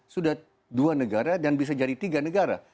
sudah dua negara dan bisa jadi tiga negara